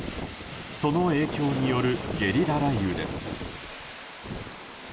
その影響によるゲリラ雷雨です。